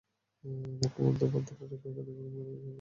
মুখবন্ধ পাত্রে রেখে দীর্ঘদিন এই মোয়া সংরক্ষণ করে খেতে পারবেন।